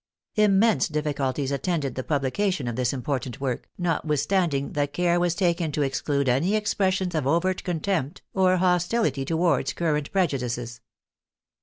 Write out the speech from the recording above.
Immense difficulties attended the publi cation of this important work, notwithstanding that care was taken to exclude any expressions of overt contempt or hostility towards current prejudices.